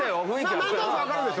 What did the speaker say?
何となく分かるでしょ？